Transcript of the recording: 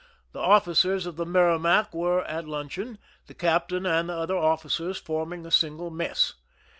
The officers of the Merrimac were at luncheon, the captain and other officers forming a single mess.